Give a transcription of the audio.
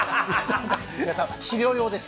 多分、資料用です。